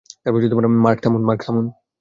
Mark, থামুন।